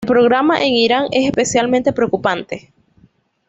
El programa en Irán es especialmente preocupante.